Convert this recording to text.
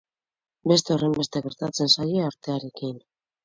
Beste horrenbeste gertatzen zaie artearekin.